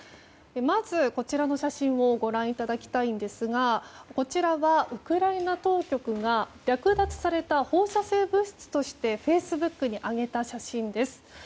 まず、こちらの写真をご覧いただきたいんですがこちらは、ウクライナ当局が略奪された放射性物質としてフェイスブックに上げた写真です。